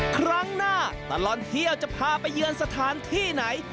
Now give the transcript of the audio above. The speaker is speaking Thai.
ครั้งหน้าตลอดเที่ยวจะพาไปเยือนสถานที่ไหน